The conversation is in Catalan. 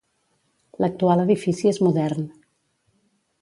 L'actual edifici és modern.